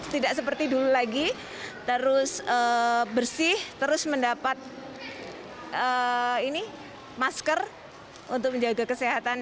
tidak seperti dulu lagi terus bersih terus mendapat masker untuk menjaga kesehatan